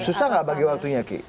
susah nggak bagi waktunya ki